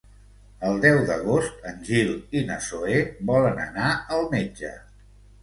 El deu d'agost en Gil i na Zoè volen anar al metge.